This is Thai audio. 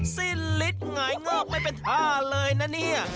สิ้นลิดหงายงอกไม่เป็นท่าเลยนะเนี่ย